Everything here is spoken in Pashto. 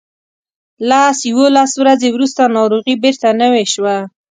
لس یوولس ورځې وروسته ناروغي بیرته نوې شوه.